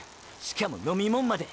しかも飲みもんまで！